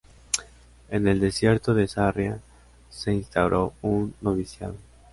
En el Desierto de Sarriá se instauró un noviciado.